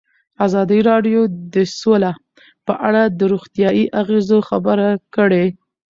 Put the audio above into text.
ازادي راډیو د سوله په اړه د روغتیایي اغېزو خبره کړې.